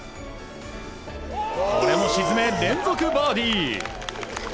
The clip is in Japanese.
これも沈め、連続バーディー。